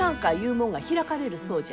もんが開かれるそうじゃ。